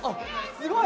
すごい！